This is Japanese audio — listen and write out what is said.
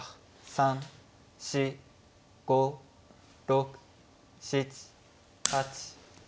３４５６７８。